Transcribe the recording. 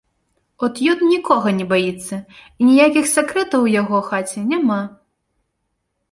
От ён нікога не баіцца, і ніякіх сакрэтаў у яго хаце няма.